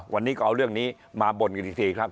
วันนี้ก็เอาเรื่องนี้มาบ่นกันอีกทีครับ